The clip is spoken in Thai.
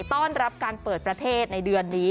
ต้อนรับการเปิดประเทศในเดือนนี้